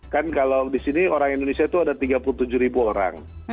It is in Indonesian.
kan kalau di sini orang indonesia itu ada tiga puluh tujuh ribu orang